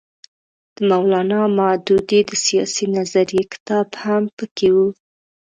د مولانا مودودي د سیاسي نظریې کتاب هم پکې وو.